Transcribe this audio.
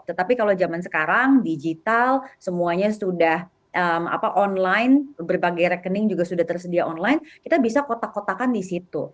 tetapi kalau zaman sekarang digital semuanya sudah online berbagai rekening juga sudah tersedia online kita bisa kotak kotakan di situ